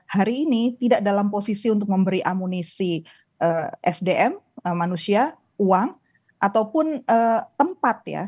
hari ini tidak dalam posisi untuk memberi amunisi sdm manusia uang ataupun tempat ya